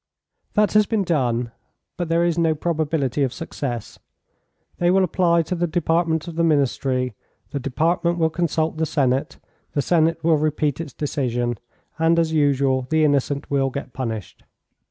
"That has been done, but there is no probability of success. They will apply to the Department of the Ministry, the Department will consult the Senate, the Senate will repeat its decision, and, as usual, the innocent will get punished."